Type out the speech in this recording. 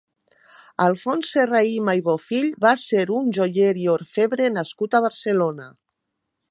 Alfons Serrahima i Bofill va ser un joier i orfebre nascut a Barcelona.